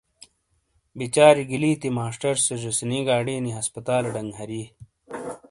بِیچاری گلیتی ماسٹر سے زیسینی گاڑینی ہسپتالے ڈنگ ہری۔